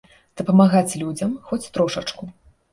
Дапамагаць людзям, хоць трошачку.